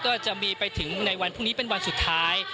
ก็จะมีไปถึงในวันพรุ่งนี้เป็นวันสุดท้าย